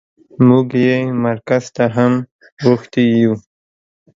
موږ يې مرکز ته هم غوښتي يو.